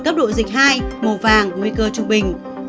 cấp độ dịch hai màu vàng nguy cơ trung bình